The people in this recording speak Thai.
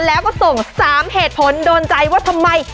แล้วก็ส่ง๓เหตุผลโดนใจว่าทำไม